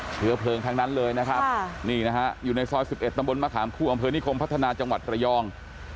เชื้อเพลิงทั้งนั้นเลยนะครับนี่นะฮะอยู่ในซอย๑๑ตำบลมะขามคู่อำเภอนิคมพัฒนาจังหวัดระยอง